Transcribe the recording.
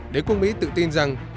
đế quốc mỹ tự tin rằng